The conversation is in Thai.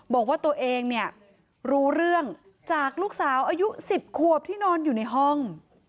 บอกว่าตัวเองเนี่ยรู้เรื่องจากลูกสาวอายุ๑๐ขวบที่นอนอยู่ในห้อง